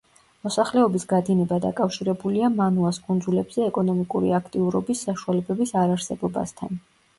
მოსახლეობის გადინება დაკავშირებულია მანუას კუნძულებზე ეკონომიკური აქტიურობის საშუალებების არ არსებობასთან.